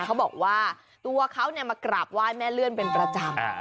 เขาบอกว่าตัวเขามากราบไหว้แม่เลื่อนเป็นประจำ